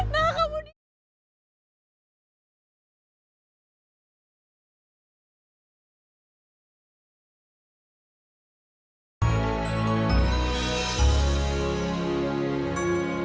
nah kamu di mana